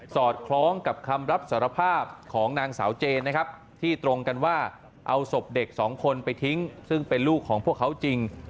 อดคล้องกับคำรับสารภาพของนางสาวเจนนะครับที่ตรงกันว่าเอาศพเด็กสองคนไปทิ้งซึ่งเป็นลูกของพวกเขาจริง